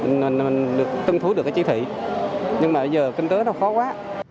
nên mình tân thú được cái chỉ thị nhưng mà bây giờ kinh tế nó khó quá